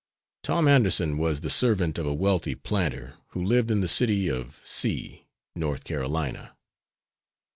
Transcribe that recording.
Tom Anderson was the servant of a wealthy planter, who lived in the city of C , North Carolina.